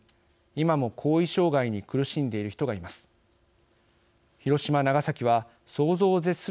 今も後遺障害に苦しんでいる人がいます。